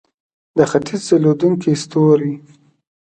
د ختیځ ځلیدونکی ستوری.